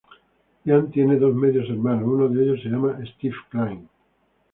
Ian tiene dos medio hermanos, uno de ellos se llama Steve Kline.